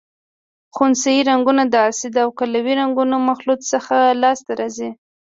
خنثی رنګونه د اسیدي او قلوي رنګونو مخلوط څخه لاس ته راځي.